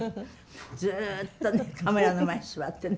ずっとカメラの前に座ってるの。